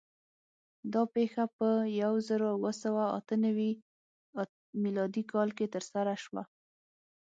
دا پېښه په یو زرو اوه سوه اته نوي م کال کې ترسره شوه.